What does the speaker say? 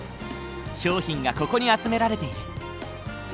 商品がここに集められている。